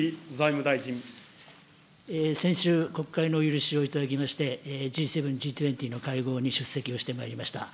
先週、国会のお許しをいただきまして、Ｇ７、Ｇ２０の会合に出席をしてまいりました。